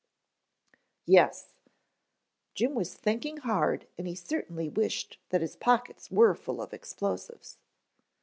"Yes." Jim was thinking hard and he certainly wished that his pockets were full of explosives.